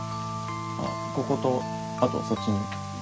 あっこことあとそっちの。